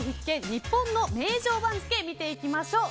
日本の名城番付を見ていきましょう。